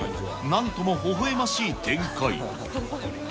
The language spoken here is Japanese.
なんともほほえましい展開。